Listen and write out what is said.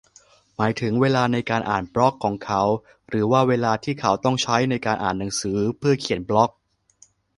หมายถึงเวลาในการอ่านบล็อกของเขา หรือว่าเวลาที่เขาต้องใช้ในการอ่านหนังสือเพื่อเขียนบล็อก ?